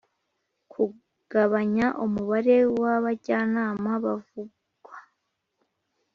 Kugabanya umubare w abajyanama bavugwa